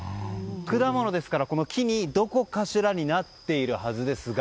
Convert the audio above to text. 果物ですから、木にどこかしらになっているはずですが。